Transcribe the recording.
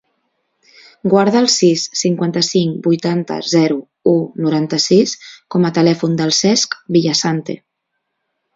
Guarda el sis, cinquanta-cinc, vuitanta, zero, u, noranta-sis com a telèfon del Cesc Villasante.